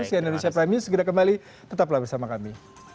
saya anand rizky aframi segera kembali tetaplah bersama kami